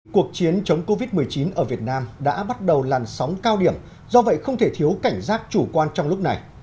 cuộc chiến chống covid một mươi chín ở việt nam đã bắt đầu làn sóng cao điểm do vậy không thể thiếu cảnh giác chủ quan trong lúc này